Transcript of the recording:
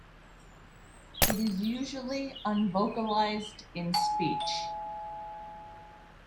It is usually unvocalized in speech.